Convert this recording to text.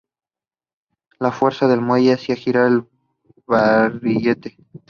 La fuerza del muelle hace girar el barrilete.